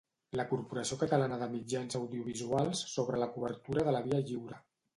La Corporació Catalana de Mitjans Audiovisuals sobre la cobertura de la Via Lliure.